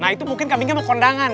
nah itu mungkin kambingnya mau kondangan